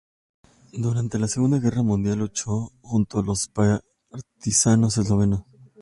Durante la Segunda Guerra Mundial luchó junto los partisanos eslovenos.